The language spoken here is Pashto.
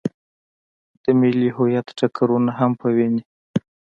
د ملي هویت ټکرونه هم په ويني.